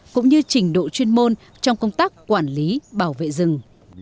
cũng như trình độ chuyên môn trong công tác quản lý bảo vệ rừng